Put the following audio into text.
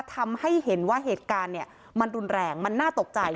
ทำให้เห็นว่าเหตุการณ์มันรุนแรงมันน่าตกใจ